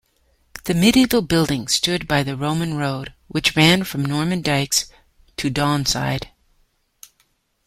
The medieval building stood by the Roman road which ran from Normandykes to Donside.